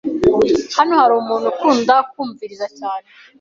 Hano hari umuntu ukunda kumviriza cyane?